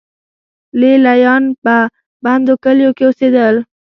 لې لیان په بندو کلیو کې اوسېدل